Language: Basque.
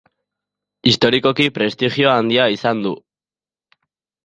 Historikoki prestigio handia izan du.